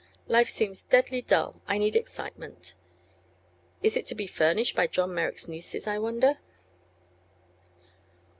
Life seems deadly dull; I need excitement. Is it to be furnished by John Merrick's nieces, I wonder?"